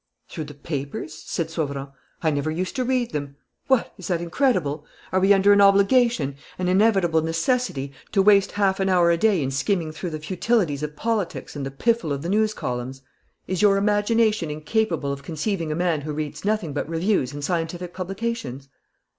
"Through the papers?" said Sauverand. "I never used to read them. What! Is that incredible? Are we under an obligation, an inevitable necessity, to waste half an hour a day in skimming through the futilities of politics and the piffle of the news columns? Is your imagination incapable of conceiving a man who reads nothing but reviews and scientific publications?